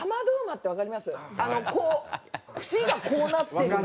あのこう節がこうなってる。